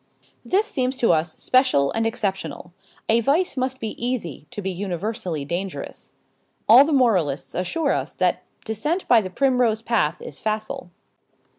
This seems to us special and exceptional. A vice must be easy to be universally dangerous. All the moralists assure us that descent by the primrose path is facile.